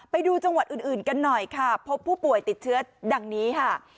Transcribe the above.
ไปดูจังหวัดอื่นกันหน่อยค่ะพบผู้ป่วยติดเชื้อดังนี้ค่ะ